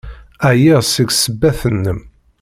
Ɛyiɣ seg ssebbat-nnem!